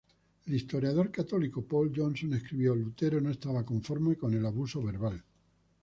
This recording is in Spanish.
El historiador católico Paul Johnson escribió: "Lutero no estaba conforme con el abuso verbal.